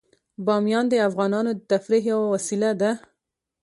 بامیان د افغانانو د تفریح یوه وسیله ده.